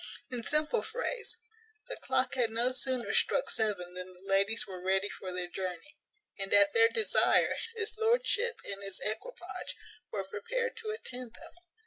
In simple phrase, the clock had no sooner struck seven than the ladies were ready for their journey; and, at their desire, his lordship and his equipage were prepared to attend them.